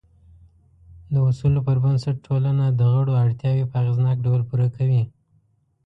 د اصولو پر بنسټ ټولنه د غړو اړتیاوې په اغېزناک ډول پوره کوي.